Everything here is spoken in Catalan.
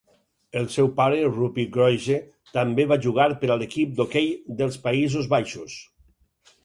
El seu pare, Roepie Kruize, també va jugar per a l'equip d'hoquei dels Països Baixos.